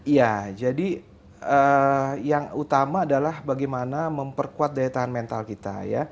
ya jadi yang utama adalah bagaimana memperkuat daya tahan mental kita